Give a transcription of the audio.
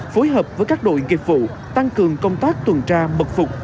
phối hợp với các đội nghiệp vụ tăng cường công tác tuần tra mật phục